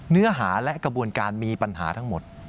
เนื้อหาและกระบวนการมีปัญหาทั้งหมด